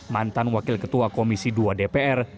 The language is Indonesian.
mantan wakil ketua komisi dua dpr